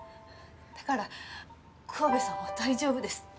だから桑部さんは大丈夫です。